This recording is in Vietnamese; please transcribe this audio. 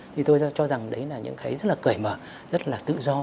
thì tôi cho rằng đấy là những cái rất là cởi mở rất là tự do